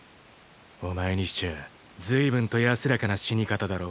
お前にしちゃあずいぶんと安らかな死に方だろ？